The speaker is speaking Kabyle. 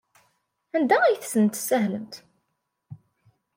Anda ay tent-tessahlemt?